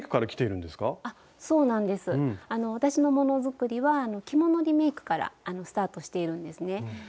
私のもの作りは着物リメイクからスタートしているんですね。